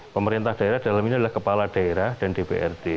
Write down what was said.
pemerintah daerah dalam ini adalah kepala daerah dan dprd